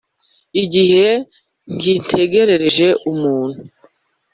igihe nkitegereje umuntu